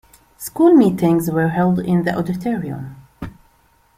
School meetings were held in the auditorium.